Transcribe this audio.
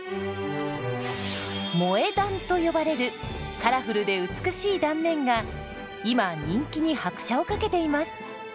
「萌え断」と呼ばれるカラフルで美しい断面が今人気に拍車をかけています。